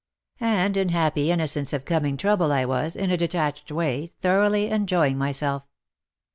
And in happy innocence of coming trouble I was, in a detached way, thoroughly enjoying myself.